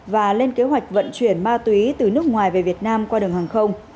và lên kế hoạch vận chuyển ma túy từ nước ngoài về việt nam qua đường hàng không